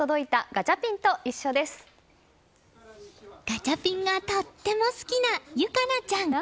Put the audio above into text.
ガチャピンがとっても好きな優奏ちゃん。